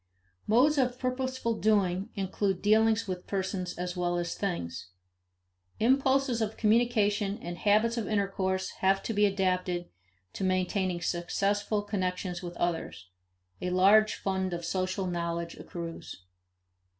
Modes of purposeful doing include dealings with persons as well as things. Impulses of communication and habits of intercourse have to be adapted to maintaining successful connections with others; a large fund of social knowledge accrues.